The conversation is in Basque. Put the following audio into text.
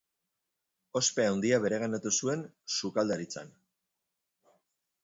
Ospe handia bereganatu zuen sukaldaritzan.